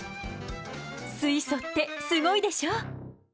水素ってすごいでしょ！